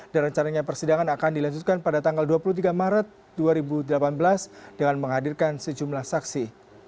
dan rencananya persidangan akan dilanjutkan pada tanggal dua puluh tiga maret dua ribu delapan belas dengan menghadirkan sejumlah saksi